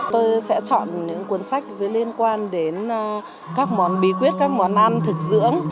tôi sẽ chọn những cuốn sách liên quan đến các món bí quyết các món ăn thực dưỡng